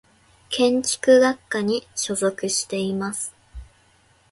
建築学科に所属しています。